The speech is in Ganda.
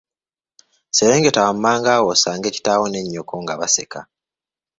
Serengeta wammanga awo osange kitaawo ne nnyoko nga baseka.